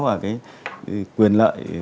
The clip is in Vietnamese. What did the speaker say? và quyền lợi